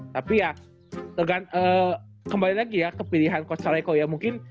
tapi ya kembali lagi ya ke pilihan coach saleko ya mungkin